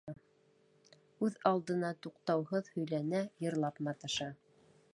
Үҙ алдына туҡтауһыҙ һөйләнә, йырлап маташа.